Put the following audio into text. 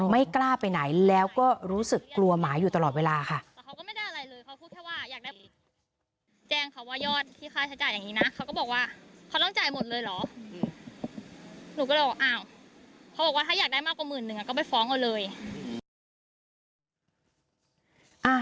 ไม่กล้าไปไหนแล้วก็รู้สึกกลัวหมาอยู่ตลอดเวลาค่ะ